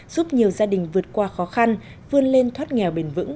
giúp nhiều gia đình vượt qua khó khăn vươn lên thoát nghèo bền vững